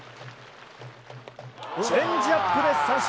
チェンジアップで三振！